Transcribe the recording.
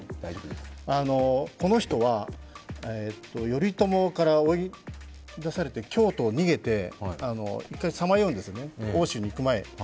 この人は、頼朝から追い出されて京都に逃げて、１回さまようんですよ、奥州に行く前に。